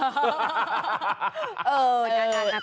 เห็นชื่อไหมป่า